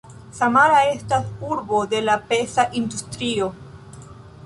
Samara estas urbo de la peza industrio.